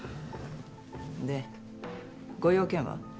でご用件は？